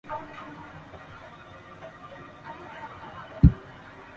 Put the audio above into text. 陈氏年轻时以美色选为朱温的妾室。